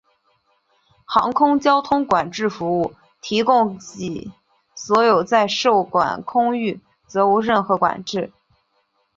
航空交通管制服务提供给所有在受管空域则无任何管制。